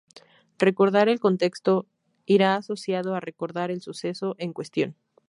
Recordar el contexto irá asociado a recordar el suceso en cuestión.